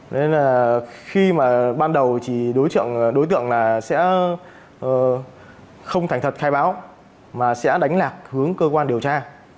nên là khi mà ban đầu chỉ đối tượng là sẽ không thành thật khai báo mà sẽ đánh lạc hướng cơ quan điều tra